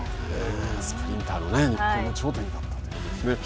スプリンターの日本の頂点に立ったということですね。